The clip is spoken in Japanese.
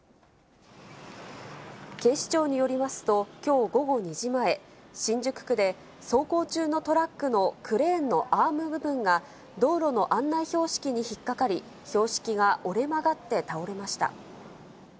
警視庁によりますと、きょう午後２時前、新宿区で走行中のトラックのクレーンのアーム部分が、道路の案内標識に引っ掛かり、標識が折れ曲がって倒れました。